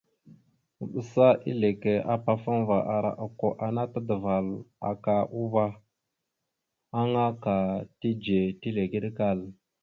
Maɓəsa eleke apafaŋva ara okko ana tadəval aka uvah aŋa ka tidze, tilegeɗəkal.